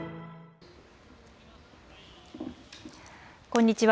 こんにちは。